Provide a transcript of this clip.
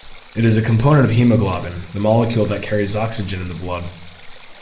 It is a component of hemoglobin, the molecule that carries oxygen in the blood.